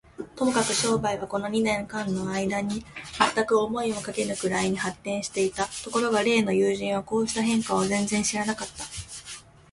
ともかく商売は、この二年間のあいだに、まったく思いもかけぬくらいに発展していた。ところが例の友人は、こうした変化を全然知らなかった。